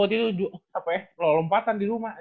waktu itu lompatan di rumah